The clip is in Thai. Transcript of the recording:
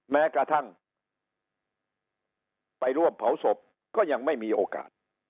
แม้กระทั่งไปร่วมเผาศพก็ยังไม่มีโอกาส